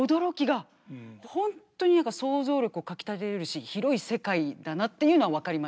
本当に何か想像力をかきたてられるし広い世界だなっていうのは分かりました。